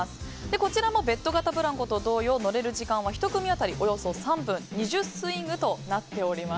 こちらもベッド型ブランコと同様乗れる時間は１組当たりおよそ３分２０スイングとなっております。